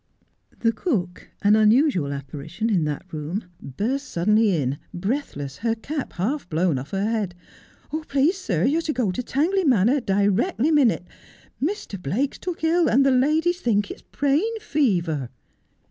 The cook, an unusual apparition in that room, burst suddenly in, breathless, her cap half blown off her head. ' Please, sir, you are to go to Tangley Manor directly minute. Mr. Blake's took ill, and the ladies think it's brain fever.'